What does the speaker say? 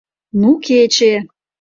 — Ну кече!»